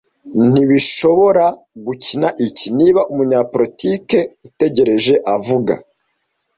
ntishobora gukina iki niba umunyapolitiki utegereje avuga